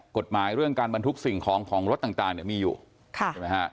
กฎหมายเรื่องการบรรทุกสิ่งของของรถต่างเนี่ยมีอยู่ใช่ไหมฮะ